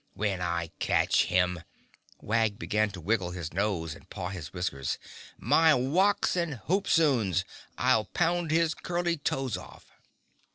When I catch him"—Wag began to wiggle his nose and paw his whiskers—"my wocks and hoop soons! I'll pound his curly toes off!"